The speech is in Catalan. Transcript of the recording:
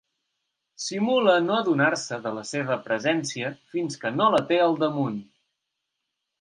Simula no adonar-se de la seva presència fins que no la té al damunt.